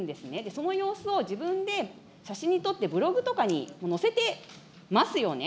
その様子を自分で写真に撮ってブログとかに載せてますよね。